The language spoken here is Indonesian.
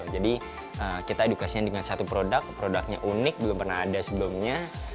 jadi kita edukasinya dengan satu produk produknya unik belum pernah ada sebelumnya